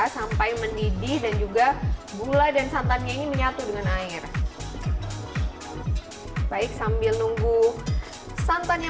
sampai mendidih dan juga gula dan santannya ini menyatu dengan air baik sambil nunggu santannya